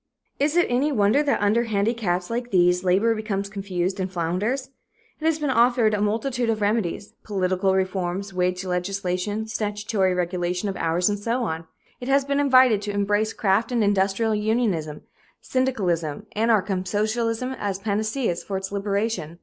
Is it any wonder that under handicaps like these labor becomes confused and flounders? It has been offered a multitude of remedies political reforms, wage legislation, statutory regulation of hours, and so on. It has been invited to embrace craft and industrial unionism, syndicalism, anarchism, socialism as panaceas for its liberation.